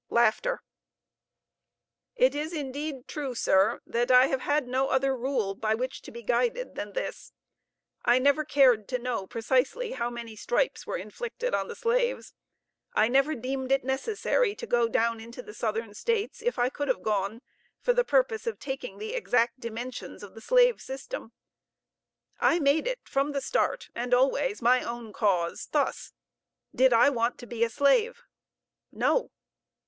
It is indeed true, sir, that I have had no other rule by which to be guided than this. I never cared to know precisely how many stripes were inflicted on the slaves. I never deemed it necessary to go down into the Southern States, if I could have gone, for the purpose of taking the exact dimensions of the slave system. I made it from the start, and always, my own case, thus: Did I want to be a slave? No.